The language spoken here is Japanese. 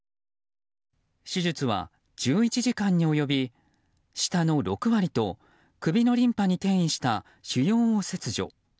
手術は１１時間に及び舌の６割と首のリンパに転移した腫瘍を切除。